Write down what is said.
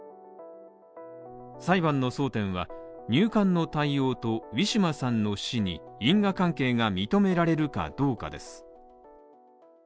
裁判の争点は、入管の対応と、ウィシュマさんの死に因果関係が認められるかどうかです。